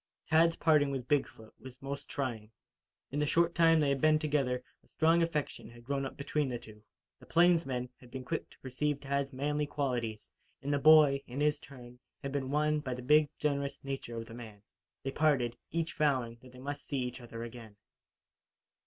Tad's parting with Big foot was most trying. In the short time they had been together, a strong affection had grown up between the two. The plainsman had been quick to perceive Tad's manly qualities, and the boy, in his turn, had been won by the big, generous nature of the man. They parted, each vowing that they must see each other again.